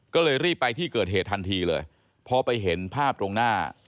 ก็เลยรีบไปที่เกิดเหตุทันทีเลยพอไปเห็นภาพตรงหน้า